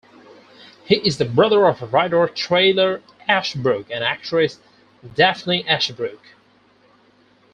He is the brother of writer Taylor Ashbrook and actress Daphne Ashbrook.